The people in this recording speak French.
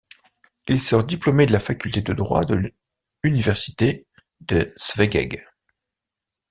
Il sort diplômé de la Faculté de droit de université de Szeged.